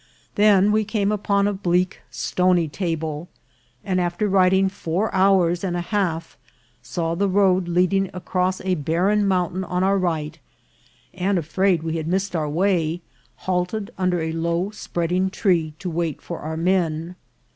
Then we came upon a bleak stony table, and after riding four hours and a half, saw the road leading across a barren mountain on our right, and, afraid we had missed our way, halted under a low spreading tree to wait for our men.